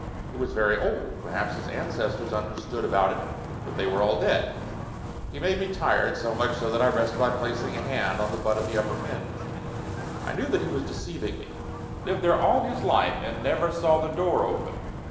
It was very old. Perhaps his ancestors understood about it, but they were all dead. He made me tired, so much so that I rested by placing a hand on the butt of the upper hinge. I knew that he was deceiving me. Lived there all his life and never saw the door open!